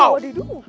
wah dia di dukung